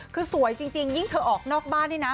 คือสวยจริงยิ่งเธอออกนอกบ้านนี่นะ